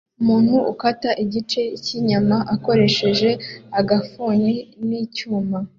Umuntu ukata igice cyinyama akoresheje agafuni nicyuma